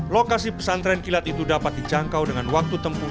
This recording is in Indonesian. lokasi pesantren kilat itu dapat dijangkau dengan waktu tempuh